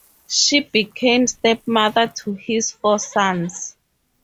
She became stepmother to his four sons.